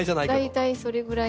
大体それぐらい。